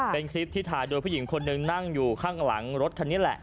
เป็นคลิปที่ถ่ายโดยผู้หญิงคนหนึ่งนั่งอยู่ข้างหลังรถคันนี้แหละ